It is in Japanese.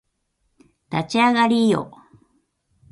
立ち上がりーよ